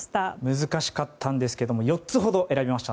難しかったんですが４つほど選びました。